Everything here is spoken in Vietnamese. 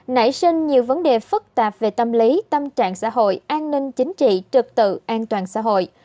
nảy sinh nhiều vấn đề phức tạp về tâm lý tâm trạng xã hội an ninh chính trị trực tự an toàn xã hội